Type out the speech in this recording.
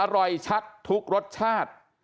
อร่อยชัดทุกรสชาติ